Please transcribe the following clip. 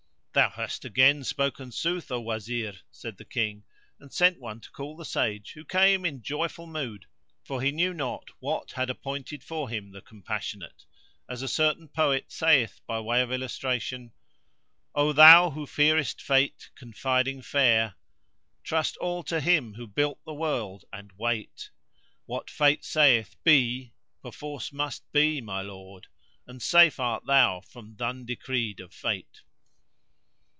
'Thou hast again spoken sooth, O Wazir," said the King and sent one to call the Sage who came in joyful mood for he knew not what had appointed for him the Compassionate; as a certain poet saith by way of illustration:— O Thou who fearest Fate, confiding fare * Trust all to Him who built the world and wait: What Fate saith "Be" perforce must be, my lord! * And safe art thou from th' undecreed of Fate.